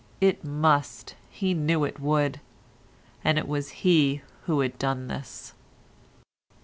It must, he knew it would—and it was he who had done this.